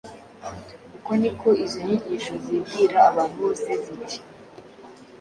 Uko ni ko izo nyigisho zibwira abantu bose ziti